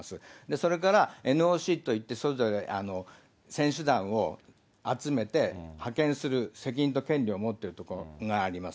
それからＮＯＣといって、それぞれ選手団を集めて派遣する責任と権利を持っているところがあります。